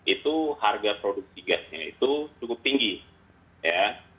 itu harga produksi gasnya itu cukup tinggi ya